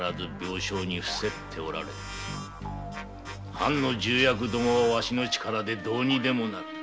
藩の重役どもはワシの力でどうにでもなる。